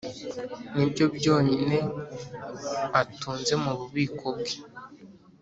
Ni byo byonyine atunze mu bubiko bwe